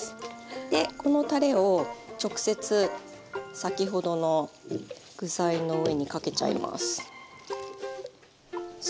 でこのたれを直接先ほどの具材の上にかけちゃいます。